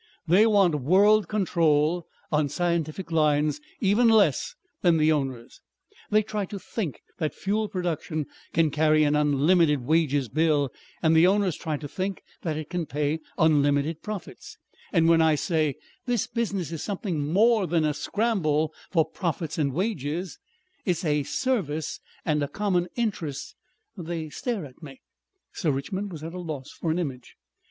They want a world control on scientific lines even less than the owners. They try to think that fuel production can carry an unlimited wages bill and the owners try to think that it can pay unlimited profits, and when I say; 'This business is something more than a scramble for profits and wages; it's a service and a common interest,' they stare at me " Sir Richmond was at a loss for an image.